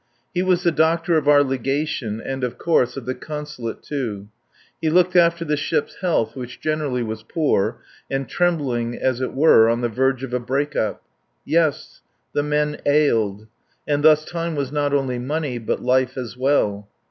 He was the doctor of our Legation and, of course, of the Consulate, too. He looked after the ship's health, which generally was poor, and trembling, as it were, on the verge of a break up. Yes. The men ailed. And thus time was not only money, but life as well.